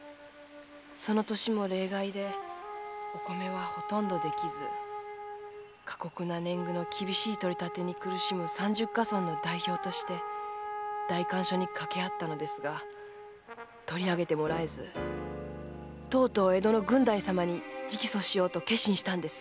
その年も冷害でお米はほとんどできず過酷な年貢の厳しい取り立てに苦しむ三十ヶ村の代表として代官所にかけ合ったのですが取りあげてもらえずとうとう江戸の郡代様に直訴しようと決心したんです。